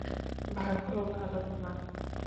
ভাগ্য ভালো তোমার।